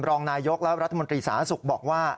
รองนายกและรัฐมนตรีสาธารณสุขบอกว่า